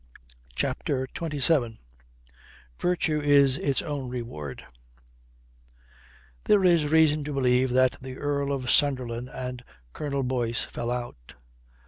CHAPTER XXVII VIRTUE IS ITS OWN REWARD There is reason to believe that the Earl of Sunderland and Colonel Boyce fell out.